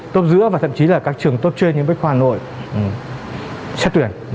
tốt giữa và thậm chí là các trường tốt trên như bách khoa nội xét tuyển